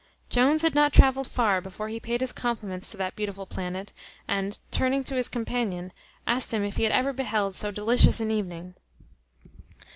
Jones had not travelled far before he paid his compliments to that beautiful planet, and, turning to his companion, asked him if he had ever beheld so delicious an evening?